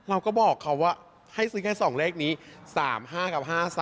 เราก็บอกเขาว่าให้ซื้อแค่๒เลขนี้๓๕กับ๕๓